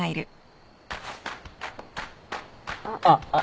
あっ。